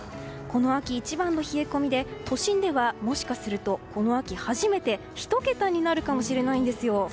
この秋一番の冷え込みで都心ではこの秋初めて１桁になるかもしれないです。